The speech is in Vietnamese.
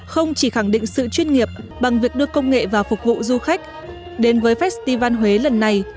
không chỉ khẳng định sự chuyên nghiệp bằng việc đưa công nghệ vào phục vụ du khách đến với festival huế lần này